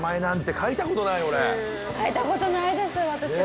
書いた事ないです私も。